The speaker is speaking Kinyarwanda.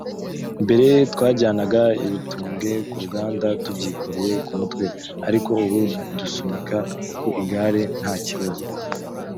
mbere twajyanaga ibitumbwe ku ruganda tubyikoreye ku mutwe ariko ubu dusunika ku igare nta kibazo